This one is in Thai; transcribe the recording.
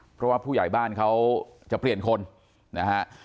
เพราะว่าผู้ใหญ่บ้านเขาจะเปลี่ยนคนนะฮะ